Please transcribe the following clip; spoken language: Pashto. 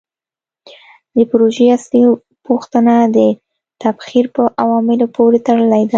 د پروژې اصلي پوښتنه د تبخیر په عواملو پورې تړلې ده.